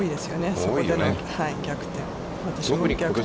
そこでの逆転。